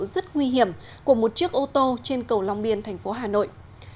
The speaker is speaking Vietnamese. rất nguy hiểm của một chiếc ô tô trên cầu long biên thành phố hà nội